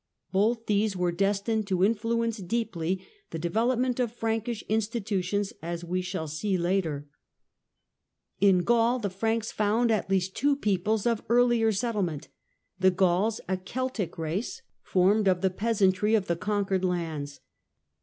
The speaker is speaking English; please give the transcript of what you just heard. Both these were lestined to influence deeply the development of Frankish nstitutions, as we shall see later. In Gaul the Franks found at least two peoples of The Gauls jarlier settlement. The Gauls, a Keltic race, formed R d man3 50 THE DAWN OF MEDIAEVAL EUROPE the peasantry of the conquered lands.